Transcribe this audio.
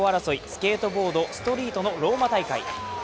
スケートボード・ストリートのローマ大会。